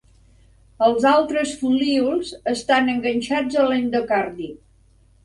Els altres folíols estan enganxats a l'endocardi.